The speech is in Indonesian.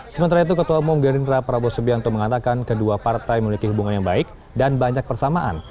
sementara itu ketua umum gerindra prabowo subianto mengatakan kedua partai memiliki hubungan yang baik dan banyak persamaan